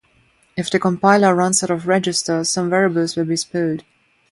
If the compiler runs out of registers, some variables will be spilled.